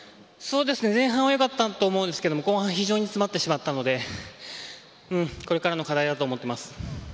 前半はよかったと思うんですけれど後半非常に詰まってしまったのでこれからの課題だと思ってます。